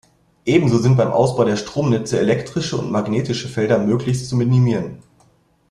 Ebenso sind beim Ausbau der Stromnetze elektrische und magnetische Felder möglichst zu minimieren.